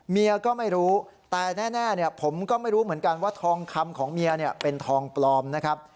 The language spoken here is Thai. เมียก็ไม่รู้แต่แน่ผมก็ไม่รู้เหมือนกันว่าทองคำของเมียเนี่ยเป็นทองปลอมนะครับ